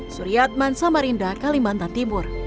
suriat mansa marinda kalimantan timur